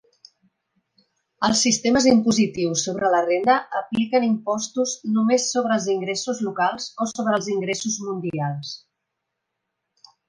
Els sistemes impositius sobre la renda apliquen impostos només sobre els ingressos locals o sobre els ingressos mundials.